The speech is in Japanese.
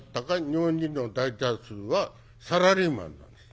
日本人の大多数はサラリーマンなんです。